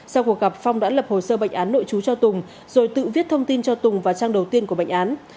sau cuộc gặp phong đã lập hồ sơ bệnh án nội chú cho tùng rồi tự viết thông tin cho tùng và trang đầu tiên của bệnh án